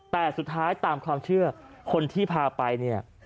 แต่สุดท้ายตามความเชื่อคนที่พาไปเนี่ย